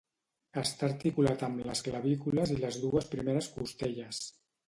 Està articulat amb les clavícules i les dues primeres costelles.